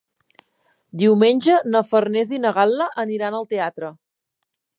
Diumenge na Farners i na Gal·la aniran al teatre.